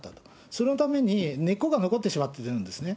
そのために、根っこが残ってしまっているんですね。